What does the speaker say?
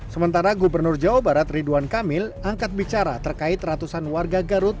sementara gubernur jawa barat ridwan kamil angkat bicara terkait ratusan warga garut